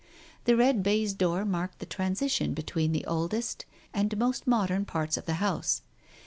The red baize door marked the transition between the oldest and most modern parts of the house.